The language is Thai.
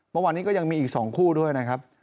เมื่อวานนี้ก็ยังมีอีก๒คู่ด้วยนะครับ